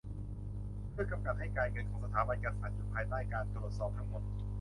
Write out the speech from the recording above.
เพื่อกำกับให้การเงินของสถาบันกษัตริย์อยู่ภายใต้การตรวจสอบทั้งหมด